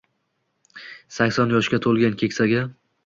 sakson yoshga to‘lgan keksaga